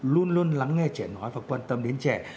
luôn luôn lắng nghe trẻ nói và quan tâm đến trẻ